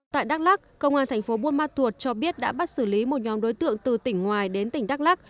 tại đắk lắc công an thành phố buôn ma thuột cho biết đã bắt xử lý một nhóm đối tượng từ tỉnh ngoài đến tỉnh đắk lắc